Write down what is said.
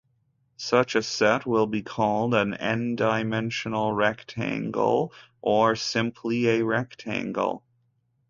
Such a set will be called a "n"-"dimensional rectangle", or simply a "rectangle".